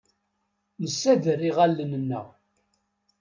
Nessader iɣallen-nneɣ.